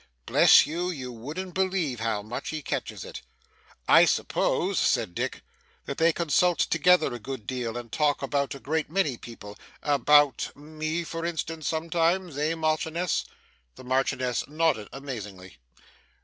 Bless you, you wouldn't believe how much he catches it.' 'I suppose,' said Dick, 'that they consult together, a good deal, and talk about a great many people about me for instance, sometimes, eh, Marchioness?' The Marchioness nodded amazingly.